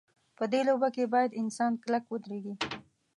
په دې لوبه کې باید انسان کلک ودرېږي.